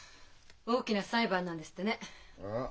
大きな裁判なんですってね？ああ？